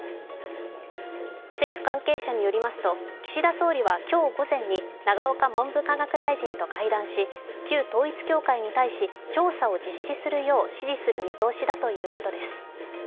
政府関係者によりますと、岸田総理は今日午前に永岡文部科学大臣と会談し旧統一教会に対し調査を実施するよう指示する見通しだということです。